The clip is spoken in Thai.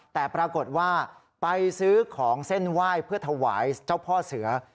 แต่ปรากฏว่าไปซื้อของเส้นไหว้เพื่อถวายเจ้าพ่อเสือ